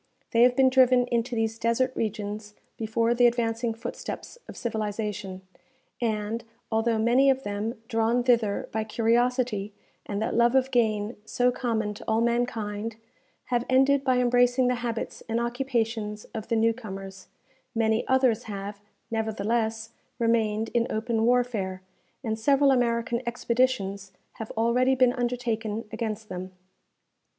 They have been driven into these desert regions before the advancing footsteps of civilization, and, although many of them, drawn thither by curiosity and that love of gain so common to all mankind, have ended by embracing the habits and occupations of the new comers, many others have, nevertheless, remained in open warfare, and several American expeditions have already been undertaken against them.